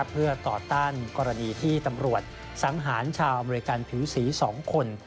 เพื่อต่อต้านกรณีที่ตำรวจสังหารชาวอเมริกันผิวสี๒คน